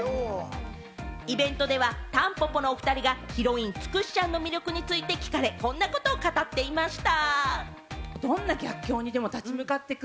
イベントではたんぽぽのお二人がヒロイン・つくしちゃんの魅力について聞かれ、こんなことを語っていました。